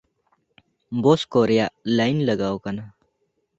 ᱵᱚᱥ ᱠᱚ ᱨᱮᱭᱟᱜ ᱞᱟᱹᱭᱤᱱ ᱞᱟᱜᱟᱣ ᱠᱟᱱᱟ ᱾